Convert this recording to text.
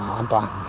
đều đều an toàn